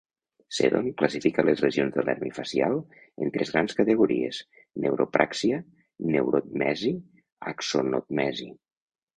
Seddon classifica les lesions del nervi facial en tres grans categories: neuropràxia, neurotmesi i axonotmesi.